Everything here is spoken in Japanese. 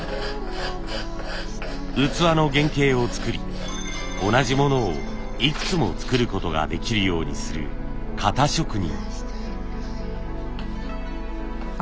器の原型を作り同じものをいくつも作ることができるようにする型職人。